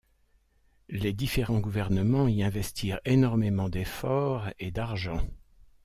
Les différents gouvernements y investirent énormément d'efforts et d'argent.